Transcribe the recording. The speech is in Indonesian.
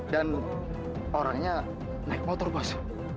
dan orangnya naik motor bos